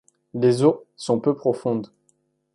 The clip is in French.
Les eaux sont peu profondes.